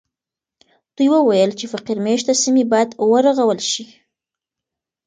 دوی وویل چې فقیر مېشته سیمې باید ورغول سي.